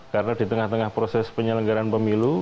karena di tengah tengah proses penyelenggaraan pemilu